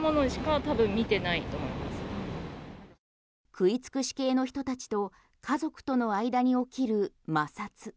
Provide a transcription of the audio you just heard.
食い尽くし系の人たちと家族との間に起きる摩擦。